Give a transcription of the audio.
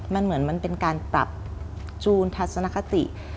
มันเหมือนมันเป็นการปรับจูนทัศนคติ